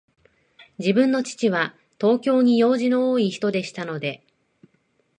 自分の父は、東京に用事の多いひとでしたので、